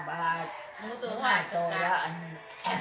๕บาท๕ตัวแล้วอันนี้